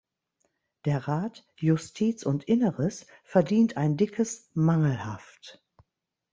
Der Rat "Justiz und Inneres" verdient ein dickes "mangelhaft".